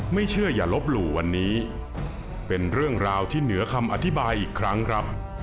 ไม่เชื่ออย่าลบหลู่วันนี้เป็นเรื่องราวที่เหนือคำอธิบายอีกครั้งครับ